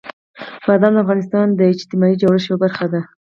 بادام د افغانستان د اجتماعي جوړښت یوه برخه ده.